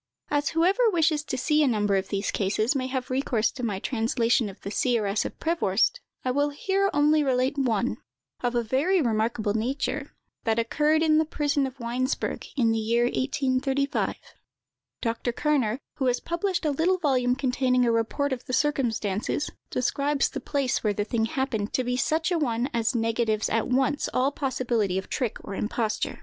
As whoever wishes to see a number of these cases may have recourse to my translation of the "Seeress of Prevorst," I will here only relate one, of a very remarkable nature, that occurred in the prison of Weinsberg, in the year 1835. Dr. Kerner, who has published a little volume containing a report of the circumstances, describes the place where the thing happened to be such a one as negatives at once all possibility of trick or imposture.